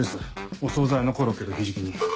お総菜のコロッケとひじき煮。